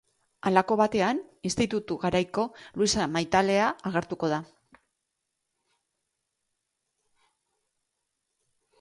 Halako batean, institutu garaiko Luisa maitalea agertuko da.